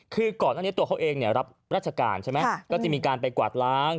คือก่อนอันนี้ตัวเขาเองเนี่ยรับรัชการใช่ไหมค่ะก็จะมีการไปกวาดล้าง